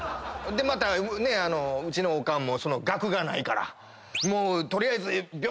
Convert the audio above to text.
でまたうちのおかんも学がないから取りあえず。